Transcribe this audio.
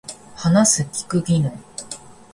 話す聞く技能